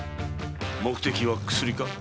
目的は薬か？